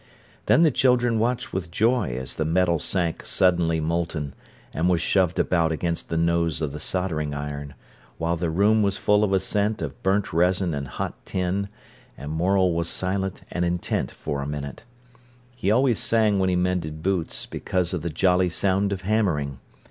Then the children watched with joy as the metal sank suddenly molten, and was shoved about against the nose of the soldering iron, while the room was full of a scent of burnt resin and hot tin, and Morel was silent and intent for a minute. He always sang when he mended boots because of the jolly sound of hammering.